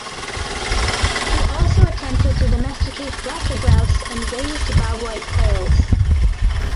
He also attempted to domesticate ruffed grouse and raised bobwhite quails.